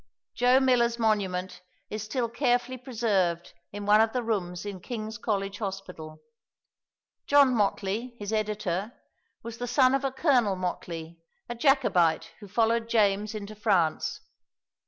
Joe Miller's monument is still carefully preserved in one of the rooms in King's College Hospital. John Mottley, his editor, was the son of a Colonel Mottley, a Jacobite who followed James into France.